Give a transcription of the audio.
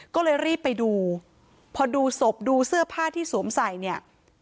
ก็เลยรีบไปดูพอดูศพดูเสื้อผ้าที่สวมใส่เนี่ย